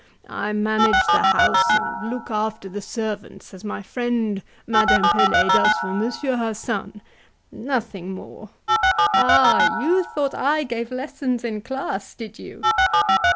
I manage the house and look after the servants, as my friend Madame Pelet does for Monsieur her son nothing more. Ah! you thought I gave lessons in class did you?"